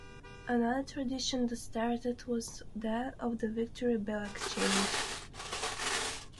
Another tradition that started was that of the Victory Bell exchange.